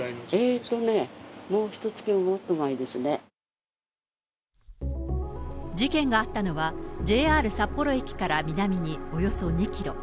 えーとね、もう、事件があったのは、ＪＲ札幌駅から南におよそ２キロ。